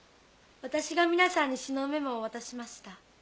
私が皆さんに詩のメモを渡しました。